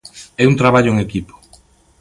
É un traballo en equipo.